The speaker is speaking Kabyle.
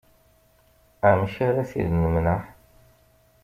Amek ara t-id-nemneε?